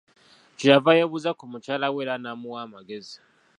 Kye yava yeebuuza ku mukyala we era n'amuwa amagezi.